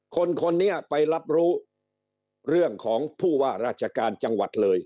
คนนี้ไปรับรู้เรื่องของผู้ว่าราชการจังหวัดเลย